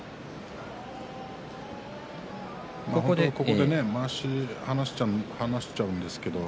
本当はねまわしを離しちゃうんですけどね